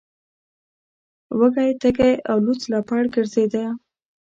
وږی تږی او لوڅ لپړ ګرځیده.